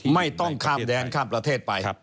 ไม่ต้องข้ามแดนข้ามประเทศไป